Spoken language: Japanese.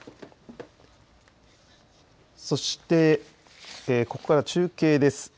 そして、ここから中継です。